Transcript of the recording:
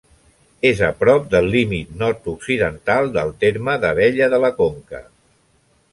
És a prop del límit nord-occidental del terme d'Abella de la Conca.